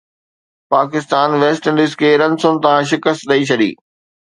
Pakistan West Indies کي رنسن تان شڪست ڏئي ڇڏي